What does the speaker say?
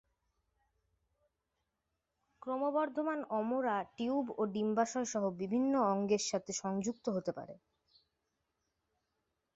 ক্রমবর্ধমান অমরা, টিউব ও ডিম্বাশয় সহ বিভিন্ন অঙ্গের সাথে সংযুক্ত হতে পারে।